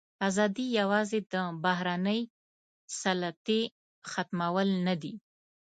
ازادي یوازې د بهرنۍ سلطې ختمول نه دي.